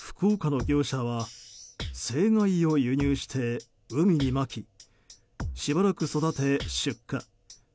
福岡の業者は成貝を輸入して海にまきしばらく育て出荷。